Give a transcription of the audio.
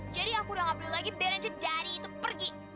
jadi aku udah nggak perlu lagi biar ngeceh daddy itu pergi